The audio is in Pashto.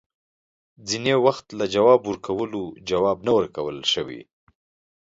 ځینې وخت له جواب ورکولو، جواب نه ورکول ښه وي